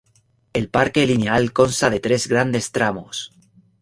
El Parque Lineal consta de tres grandes tramos.